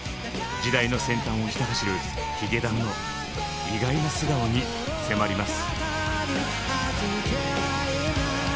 時代の先端をひた走るヒゲダンの意外な素顔に迫ります。